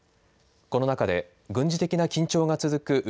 この中で、軍事的な緊張が続く